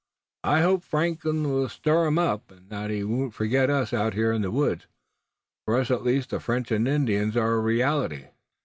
"I hope Franklin will stir 'em up, and that they won't forget us out here in the woods. For us at least the French and Indians are a reality."